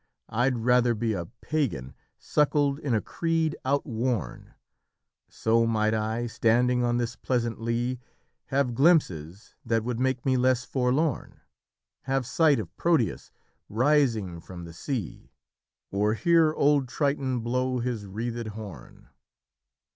I'd rather be A Pagan suckled in a creed outworn; So might I, standing on this pleasant lea, Have glimpses that would make me less forlorn; Have sight of Proteus rising from the sea; Or hear old Triton blow his wreathèd horn."